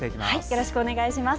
よろしくお願いします。